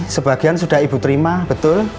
sebagian sudah ibu terima betul